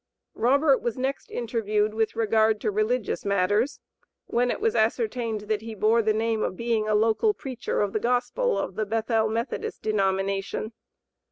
Robert was next interviewed with regard to religious matters, when it was ascertained that he bore the name of being a "local preacher of the gospel of the Bethel Methodist denomination."